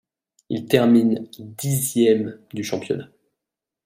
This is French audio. Il termine dixième du championnat.